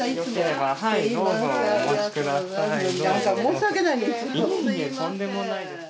申し訳ない。